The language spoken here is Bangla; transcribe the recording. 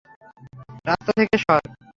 রাস্তা থেকে সর।